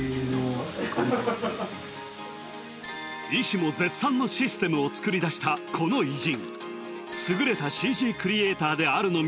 医師も絶賛のシステムを作り出したこの偉人